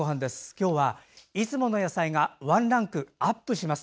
今日はいつもの身近な野菜がワンランクアップします。